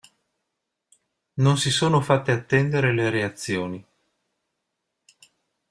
Non si sono fatte attendere le reazioni.